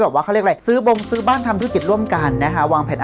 ว่าเขาเรียกอะไรซื้อบงซื้อบ้านทำธุรกิจร่วมกันนะคะวางแผน